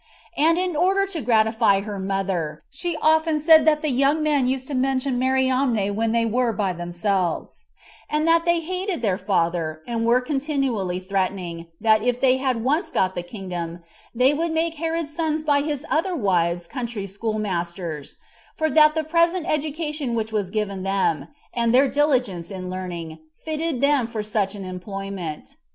And in order to gratify her mother, she often said that the young men used to mention Mariamne when they were by themselves; and that they hated their father, and were continually threatening, that if they had once got the kingdom, they would make Herod's sons by his other wives country schoolmasters, for that the present education which was given them, and their diligence in learning, fitted them for such an employment.